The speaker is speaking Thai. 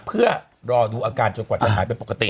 เพื่อรอดูอาการจนกว่าจะหายเป็นปกติ